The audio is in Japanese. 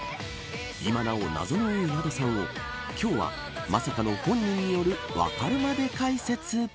今なお、謎の多いＡｄｏさんを今日は、まさかの本人によるわかるまで解説。